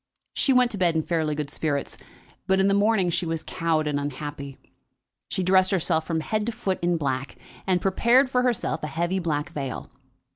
She went to bed in fairly good spirits, but in the morning she was cowed and unhappy. She dressed herself from head to foot in black, and prepared for herself a heavy black veil.